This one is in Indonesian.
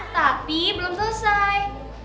tapi belum selesai